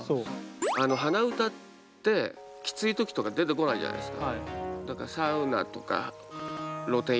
鼻歌ってきつい時とか出てこないじゃないですか。